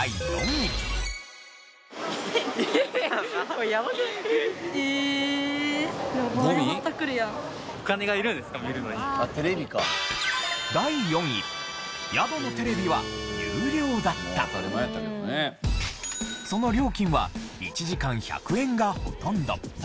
その料金は１時間１００円がほとんど。